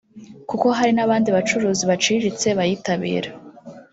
kuko hari n’abandi bacuruzi baciriritse bayitabira